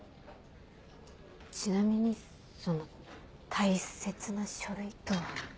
ちなみにその大切な書類とは？